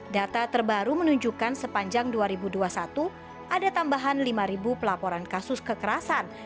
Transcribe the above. data terbaru menunjukkan sepanjang dua ribu dua puluh satu ada tambahan lima pelaporan kasus kekerasan